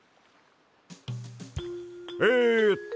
えっと